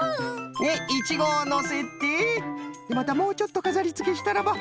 でイチゴをのせてまたもうちょっとかざりつけしたらば。